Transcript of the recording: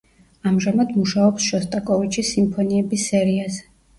ამჟამად მუშაობს შოსტაკოვიჩის სიმფონიების სერიაზე.